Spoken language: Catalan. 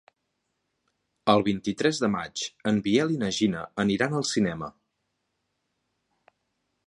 El vint-i-tres de maig en Biel i na Gina aniran al cinema.